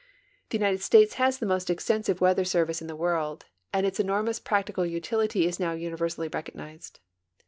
The United States has the most extensive weather service in the world, and its enormous practical utilit}^ is now universally recognized.